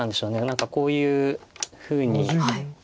何かこういうふうに。